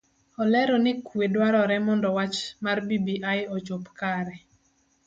Olero ni kue dwarore mondo wach mar bbi ochop kare.